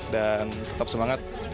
dan tetap semangat